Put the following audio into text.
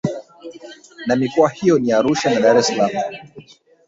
Na mikoa hiyo ni Arusha na Dar es salaam